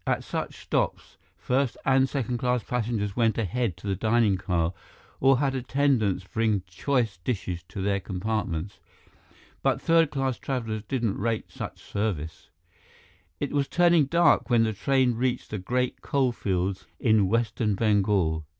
At such stops, first and second class passengers went ahead to the dining car or had attendants bring choice dishes to their compartments; but third class travelers didn't rate such service. It was turning dark when the train reached the great coal fields in western Bengal.